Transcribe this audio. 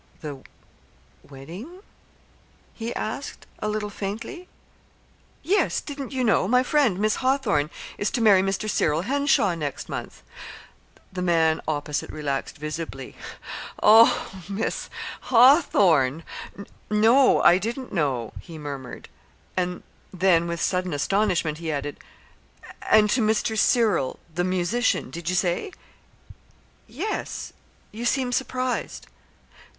"The wedding?" he asked, a little faintly. "Yes. Didn't you know? My friend, Miss Hawthorn, is to marry Mr. Cyril Henshaw next month." The man opposite relaxed visibly. "Oh, Miss Hawthorn! No, I didn't know," he murmured; then, with sudden astonishment he added: "And to Mr. Cyril, the musician, did you say?" "Yes. You seem surprised."